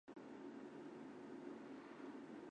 无法以佃农身分参加农保